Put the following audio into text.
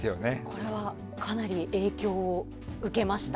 これはかなり影響を受けました。